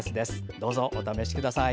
どうぞお試しください。